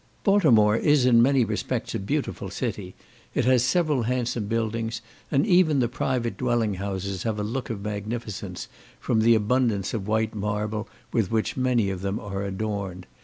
Baltimore is in many respects a beautiful city; it has several handsome buildings, and even the private dwelling houses have a look of magnificence, from the abundance of white marble with which many of them are adorned.